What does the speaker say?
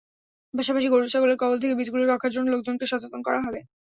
পাশাপাশি গরু–ছাগলের কবল থেকে বীজগুলো রক্ষার জন্য লোকজনকে সচেতন করা হবে।